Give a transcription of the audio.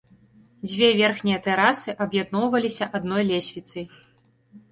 Дзве верхнія тэрасы аб'ядноўваліся адной лесвіцай.